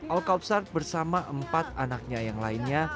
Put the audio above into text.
al khawtsar bersama empat anaknya yang lainnya